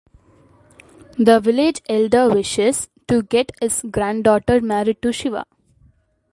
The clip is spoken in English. The village elder wishes to get his granddaughter married to Siva.